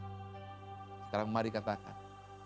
sekarang mari katakan